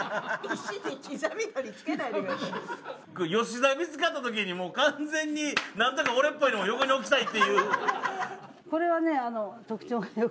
吉田見つかったときにもう完全に何となく俺っぽいのを横に置きたいっていう。